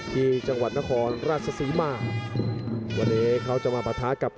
ที่จังหวัดนครราชศรีมาวันนี้เขาจะมาปะทะกับ